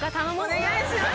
お願いします。